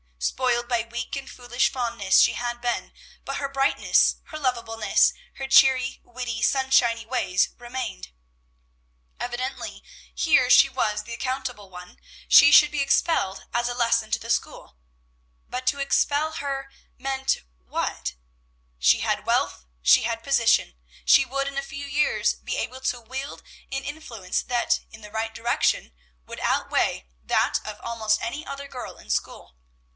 Spoiled by weak and foolish fondness she had been; but her brightness, her lovableness, her cheery, witty, sunshiny ways remained. Evidently, here she was the accountable one; she should be expelled as a lesson to the school, but to expel her meant, what? She had wealth, she had position, she would in a few years be able to wield an influence that, in the right direction, would outweigh that of almost any other girl in school.